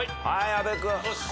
阿部君。